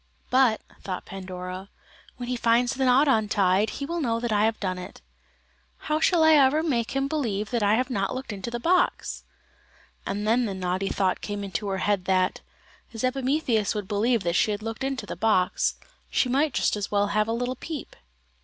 "But," thought Pandora; "when he finds the knot untied he will know that I have done it; how shall I ever make him believe that I have not looked into the box?" And then the naughty thought came into her head that, as Epimetheus would believe that she had looked into the box, she might just as well have a little peep.